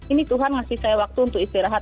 ini tuhan ngasih saya waktu untuk istirahat